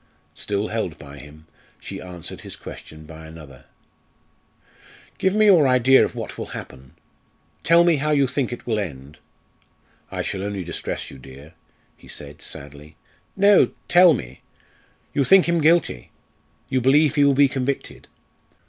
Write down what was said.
Still held by him, she answered his question by another: "Give me your idea of what will happen. Tell me how you think it will end." "I shall only distress you, dear," he said sadly. "No; tell me. You think him guilty. You believe he will be convicted."